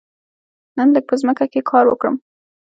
نن لږ په ځمکه کې کار وکړم.